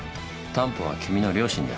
担保は君の良心だ。